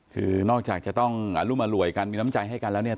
คือนอกจากจะต้องอรุมอร่วยกันมีน้ำใจให้กันแล้วเนี่ย